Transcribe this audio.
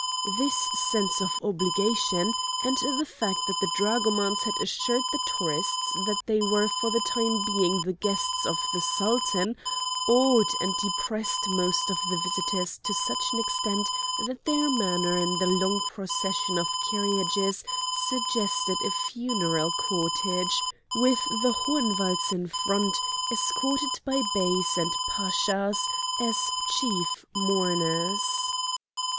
This sense of obligation, and the fact that the dragomans had assured the tourists that they were for the time being the guests of the Sultan, awed and depressed most of the visitors to such an extent that their manner in the long procession of carriages suggested a funeral cortege, with the Hohenwalds in front, escorted by Beys and Pashas, as chief mourners.